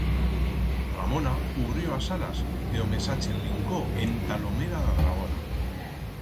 Ramona ubrió as alas e o mesache brincó ent'a lomera d'a dragona.